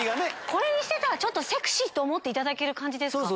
これにしてたらセクシーと思っていただける感じですか。